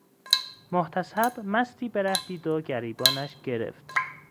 محتسب مستی به ره دید و گریبانش گرفت